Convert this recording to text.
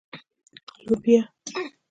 🫘 لبیا